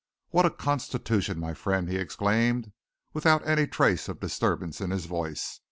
"What a constitution, my friend!" he exclaimed, without any trace of disturbance in his voice.